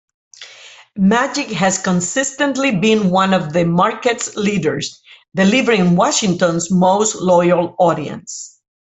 Majic has consistently been one of the market's leaders, delivering Washington's most loyal audience.